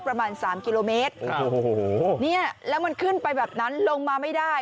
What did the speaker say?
ประมาณ๓กิโลเมตรแล้วมันขึ้นไปแบบนั้นลงมาไม่ได้